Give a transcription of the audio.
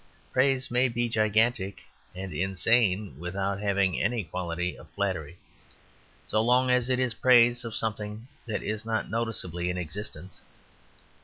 Praise may be gigantic and insane without having any quality of flattery so long as it is praise of something that is noticeably in existence.